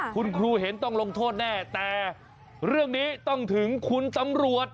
คุณครูเห็นต้องลงโทษแน่แต่เรื่องนี้ต้องถึงคุณตำรวจ